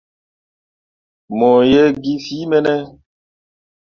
Mo ye kii fìi ɓe ne ?